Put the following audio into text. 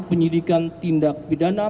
penyidikan tindak pidana